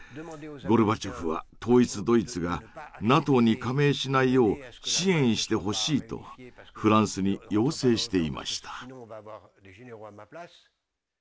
ゴルバチョフは統一ドイツがＮＡＴＯに加盟しないよう支援してほしいとフランスに要請していました。